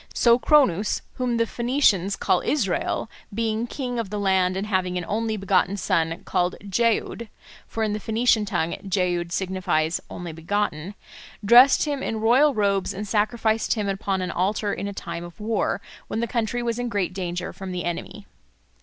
So Cronus, whom the Phoenicians call Israel, being king of the land and having an only begotten son called Jeoud (for in the Phoenician tongue Jeoud signifies 'only begotten'), dressed him in royal robes and sacrificed him upon an altar in a time of war, when the country was in great danger from the enemy."